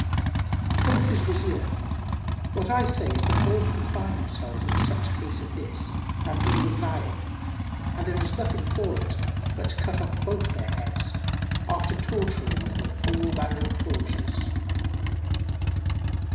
Quoth his Wazir, "What I say is that all who find themselves in such case as this have need of lying, and there is nothing for it but to cut off both their heads, after torturing them with all manner of tortures."